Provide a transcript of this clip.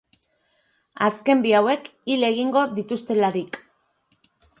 Azkenik bi hauek hil egingo dituztelarik.